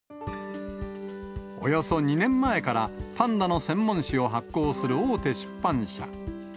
およそ２年前から、パンダの専門誌を発行する大手出版社。